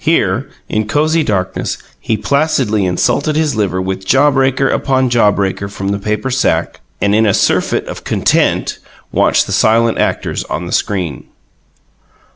Here, in cozy darkness, he placidly insulted his liver with jaw breaker upon jaw breaker from the paper sack, and in a surfeit of content watched the silent actors on the screen.